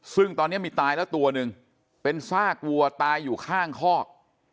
ซึ่งตอนนี้มีตายแล้วตัวหนึ่งเป็นซากวัวตายอยู่ข้างคอก